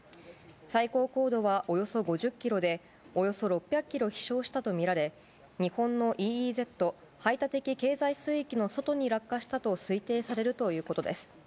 最高高度はおよそ５０キロで、およそ６００キロ飛しょうしたと見られ、日本のＥＥＺ・排他的経済水域の外に落下したと推定されるということです。